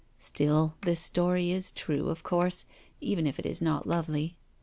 Still, this story is true, of course, even if it is not lovely.